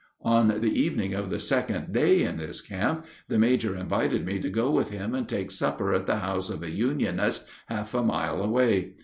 On the evening of the second day in this camp the major invited me to go with him and take supper at the house of a Unionist half a mile away.